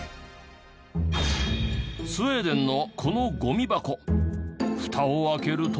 スウェーデンのこのゴミ箱フタを開けると。